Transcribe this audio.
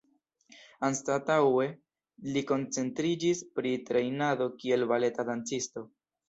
Anstataŭe li koncentriĝis pri trejnado kiel baleta dancisto.